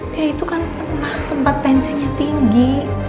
dia itu kan pernah sempat tensinya tinggi